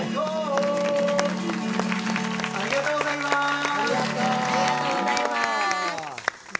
ありがとうございます！